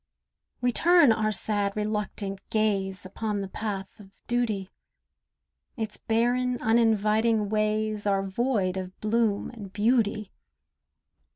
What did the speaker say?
We turn our sad, reluctant gaze Upon the path of duty; Its barren, uninviting ways Are void of bloom and beauty.